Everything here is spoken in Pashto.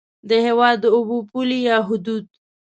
د هېواد د اوبو پولې یا حدود